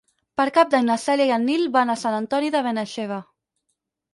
Per Cap d'Any na Cèlia i en Nil van a Sant Antoni de Benaixeve.